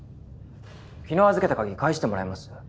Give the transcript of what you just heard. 昨日預けた鍵返してもらえます？